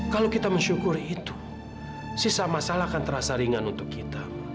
kalau kita mensyukuri itu sisa masalah akan terasa ringan untuk kita